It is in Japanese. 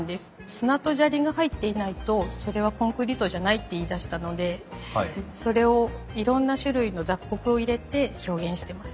砂と砂利が入っていないとそれはコンクリートじゃないって言いだしたのでそれをいろんな種類の雑穀を入れて表現してます。